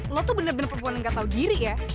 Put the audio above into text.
lo tuh bener bener perempuan yang gak tahu diri ya